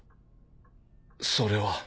⁉それは。